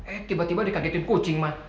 eh tiba tiba dikagetin kucing